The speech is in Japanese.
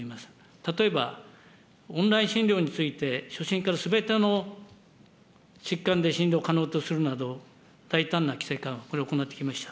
例えば、オンライン診療について、初診からすべての疾患で診療可能とするなど、大胆な規制緩和、これを行ってきました。